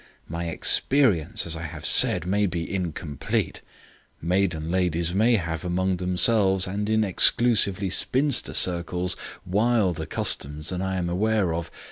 My experience, as I have said, may be incomplete; maiden ladies may have among themselves and in exclusively spinster circles wilder customs than I am aware of.